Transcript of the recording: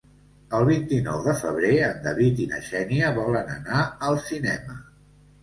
El vint-i-nou de febrer en David i na Xènia volen anar al cinema.